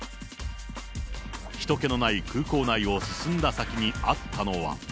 ひと気のない空港内を進んだ先にあったのは。